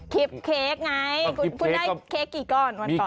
เค้กไงคุณได้เค้กกี่ก้อนวันก่อน